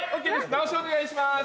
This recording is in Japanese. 直しお願いします。